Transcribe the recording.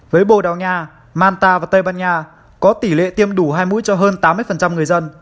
với bồ đào nha manta và tây ban nha có tỷ lệ tiêm đủ hai mũi cho hơn tám mươi người dân